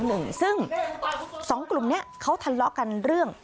ไปอีกหลังหนึ่งซึ่ง๒กลุ่มนี้เขาทะเลาะกันเรื่อง